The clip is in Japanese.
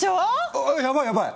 あっやばいやばい。